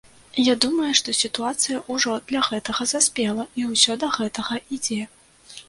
Я думаю, што сітуацыя ўжо для гэтага саспела і ўсё да гэтага ідзе.